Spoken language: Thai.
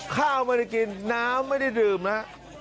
ข้าวไม่ได้กินน้ำไม่ได้ดื่มนะฮะ